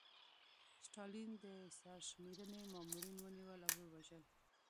ستالین د سرشمېرنې مامورین ونیول او ووژل.